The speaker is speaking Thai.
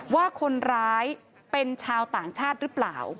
ว่าคนร้ายเป็นชาวต่างชาติหรือเปล่า